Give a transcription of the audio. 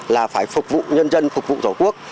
là phải phục vụ nhân dân phục vụ tổ quốc